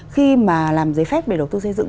khi mà làm giấy phép về đầu tư xây dựng